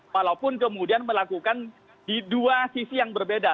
walaupun kemudian melakukan di dua sisi yang berbeda